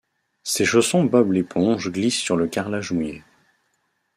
Ses chaussons Bob l’Éponge glissent sur le carrelage mouillé.